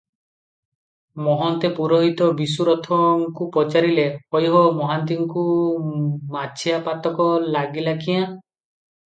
ମହନ୍ତେ ପୁରୋହିତ ବିଶୁ ରଥଙ୍କୁ ପଚାରିଲେ, "ହୋଇ ହୋ, ମହାନ୍ତିଙ୍କୁ ମାଛିଆ ପାତକ ଲାଗିଲା କ୍ୟାଁ?